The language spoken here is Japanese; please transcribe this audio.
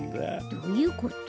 どういうこと？